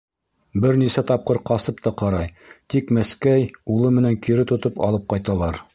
Бер нисә тапҡыр ҡасып та ҡарай, тик Мәскәй, улы менән кире тотоп алып ҡайталар.